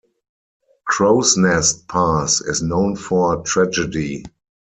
Crowsnest Pass is known for tragedy.